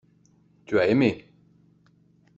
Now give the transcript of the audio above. Tu as aimé.